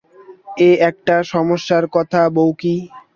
এ একটা সমস্যার কথা বৈকি!